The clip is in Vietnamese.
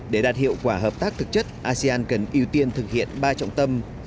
để đạt hiệu quả hợp tác thực chất asean cần ưu tiên thực hiện ba trọng tâm